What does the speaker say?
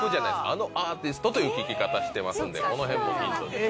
あのアーティストという聞き方してますんでこの辺もヒントに。